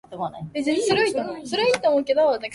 「だからあたし達男なんかお呼びじゃないのよ悪い？」